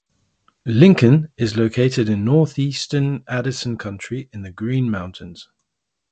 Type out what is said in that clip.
Lincoln is located in northeastern Addison County in the Green Mountains.